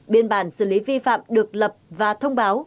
biên bản xử lý vi phạm được lập và thông báo